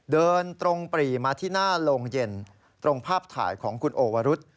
เดินตรงปรีมาที่หน้าโรงเย็นตรงภาพถ่ายของคุณโอวรุษ